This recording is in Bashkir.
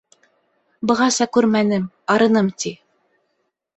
Бығаса күрмәнем, арыным, ти.